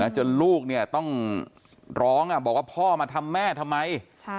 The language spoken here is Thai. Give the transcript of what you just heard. จนลูกต้องร้องบอกว่าพ่อมาทำแม่ทำไม